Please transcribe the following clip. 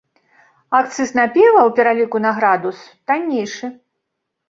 Акцыз на піва ў пераліку на градус таннейшы.